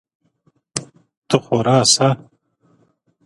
ته خو راسه!